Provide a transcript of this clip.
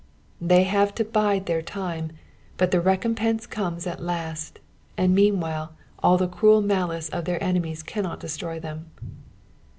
They have to bide their time, but the re compense comes at last, and meanwhile all the cruel malice of their enemies cannot destroy them.